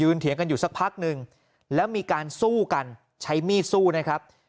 เถียงกันอยู่สักพักหนึ่งแล้วมีการสู้กันใช้มีดสู้นะครับ